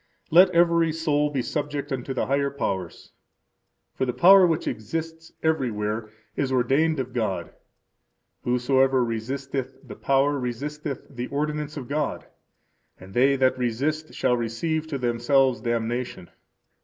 Let every soul be subject unto the higher powers. For the power which exists anywhere is ordained of God. Whosoever resisteth the power resisteth the ordinance of God; and they that resist shall receive to themselves damnation.